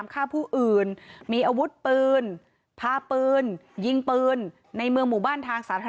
ผมก็เคยรู้จักกันมานานแล้วแต่ค่อนข้างสนิทกัน